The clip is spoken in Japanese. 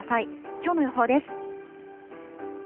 きょうの予報です。